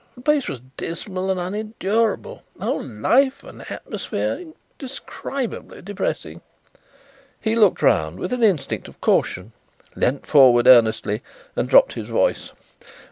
The place was dismal and unendurable, the whole life and atmosphere indescribably depressing." He looked round with an instinct of caution, leaned forward earnestly, and dropped his voice.